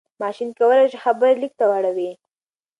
ماشين کولای شي خبرې ليک ته واړوي.